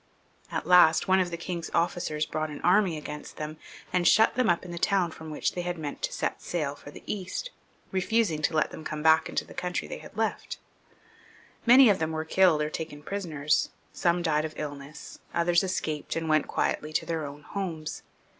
At last, one of the king's officers brought an army against them, and shut them up in the town from which they had meant to set sail for the East, refusing to let them come back into the country xxiii.] PHILIP V. {LE LONG), 147 they had left. Many of them were killed or taken prisoners ; some died of illness, others escaped, and went quietly to their own homes.